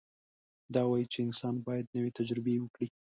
دا وایي چې انسان باید نوې تجربې وکړي.